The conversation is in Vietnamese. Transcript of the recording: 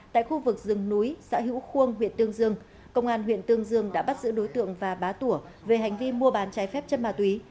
tại khu vực rừng núi xã hữu khuông huyện tương dương công an huyện tương dương đã bắt giữ đối tượng và bá tủa về hành vi mua bán trái phép chất ma túy